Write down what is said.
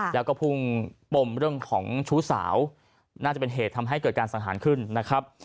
แล้วก็พุ่งปมเรื่องของชู้สาวน่าจะเป็นเหตุทำให้เกิดการสังหารขึ้นนะครับ